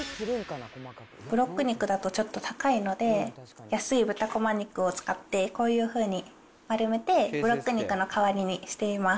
ブロック肉だとちょっと高いので、安い豚コマ肉を使って、こういうふうに丸めて、ブロック肉の代わりにしています。